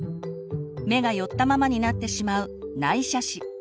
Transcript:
目が寄ったままになってしまう「内斜視」